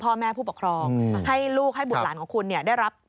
พ่อแม่ผู้ปกครองให้ลูกให้บุตรหลานของคุณเนี่ยได้รับ